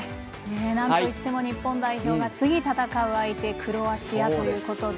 なんといっても日本代表が次、戦う相手クロアチアということで。